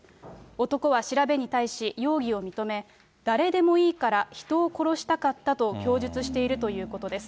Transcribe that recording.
男は調べに対し、容疑を認め、誰でもいいから人を殺したかったと供述しているということです。